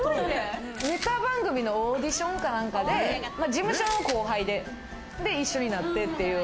ネタ番組のオーディションかなんかで、事務所の後輩で、一緒になってっていう。